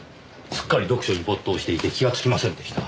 すっかり読書に没頭していて気がつきませんでした。